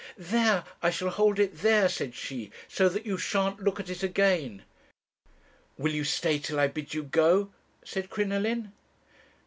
'There, I shall hold it there,' said she, 'so that you shan't look at it again.' "'Will you stay till I bid you go?' said Crinoline.